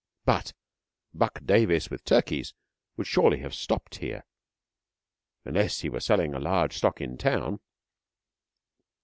But Buck Davis with turkeys would surely have stopped here, unless he were selling a large stock in town.